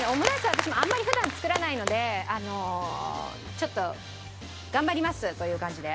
私もあんまり普段作らないのであのちょっと頑張りますという感じで。